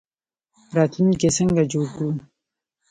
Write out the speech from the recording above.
راتلونکی څنګه جوړ کړو؟